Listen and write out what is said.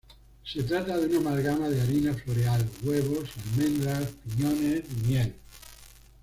Se trata de una amalgama de harina floreal, huevos, almendras, piñones y miel.